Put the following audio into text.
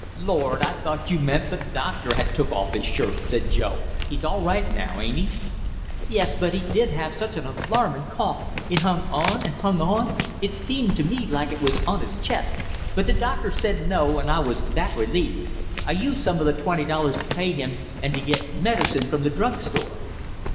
"Lord, I thought you meant the doctor had took off his shirt!" said Joe. "He's all right now, ain't he?" "Yes, but he did have such an alarmin' cough; it hung on and hung on, it seemed to me like it was on his chest, but the doctor said no, and I was that relieved! I used some of the twenty dollars to pay him and to get medicine from the drug store."